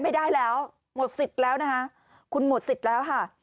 ไม่ได้แล้วหมดสิทธิ์แล้วนะคะคุณหมดสิทธิ์แล้วค่ะ